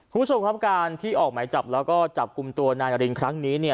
ผู้สมความการที่ออกหมายจับและจับกลุ่มตัวนายลินครั้งนี้เนี่ย